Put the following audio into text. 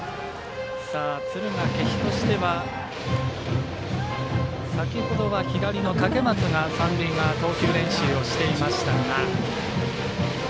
敦賀気比としては先ほどは左の竹松が三塁側投球練習をしていましたが。